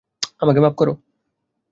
আমাকে মাপ করো।